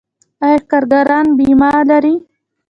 آیا کارګران بیمه لري؟